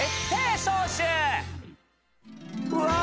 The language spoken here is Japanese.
うわ！